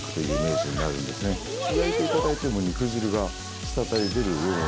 焼いていただいても肉汁が滴り出るような。